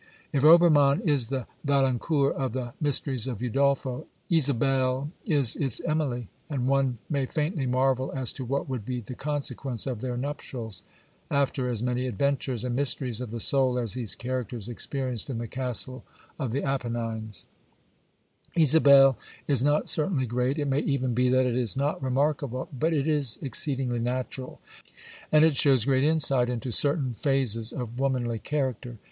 If Obermann is the Valancourt of the Mysteries of Udolpho," Isabelle is its Emily, and one may faintly marvel as to what would be the consequence of their nuptials, after as many adventures and mysteries of the soul as these characters experienced in the castle of the Apennines, Isabelle is not certainly great ; it may even be that it is not remarkable, but it is exceedingly natural, and it shows great insight into certain phases of womanly character.